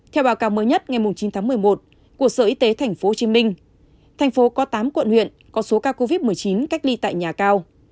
theo báo cáo mới nhất ngày chín tháng một mươi một của sở y tế tp hcm thành phố có tám quận huyện có số ca covid một mươi chín cách ly tại nhà cao